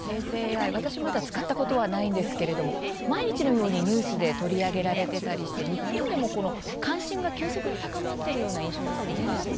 まだ私は使ったことがないんですが毎日のようにニュースで取り上げられたりして日本でも関心が急速に高まっている印象ですね。